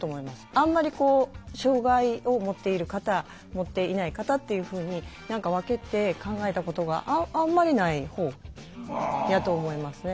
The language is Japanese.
あんまり障害をもっている方もっていない方っていうふうに何か分けて考えたことがあんまりない方やと思いますね。